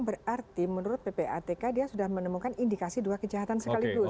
berarti menurut ppatk dia sudah menemukan indikasi dua kejahatan sekaligus